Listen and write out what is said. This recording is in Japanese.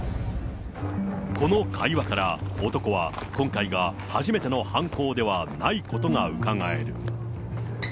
この会話から、男は今回が初めての犯行ではないことがうかがえる。